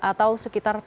atau sekitar tiga meter